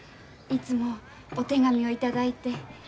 いつもお手紙を頂いて。